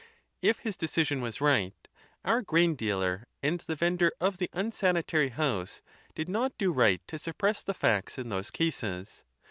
If his decision was right, our grain dealer and the vendor of the unsanitary house did not do right to suppress the facts in those cases.